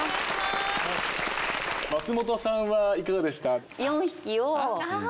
松本さんはいかがでした？